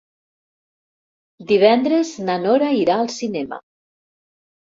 Divendres na Nora irà al cinema.